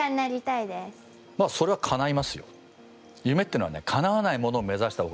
それはかないますよ。